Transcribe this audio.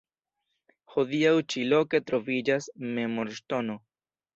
Hodiaŭ ĉi loke troviĝas memorŝtono.